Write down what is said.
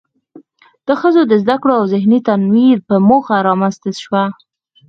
د ښځو د زده کړو او ذهني تنوير په موخه رامنځ ته شوه.